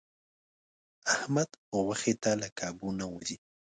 احمد غوښې ته له کابو نه و ځي.